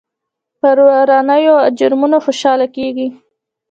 پر ورانيو او جرمونو خوشحاله کېږي.